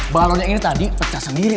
balon yang ini tadi pecah sendiri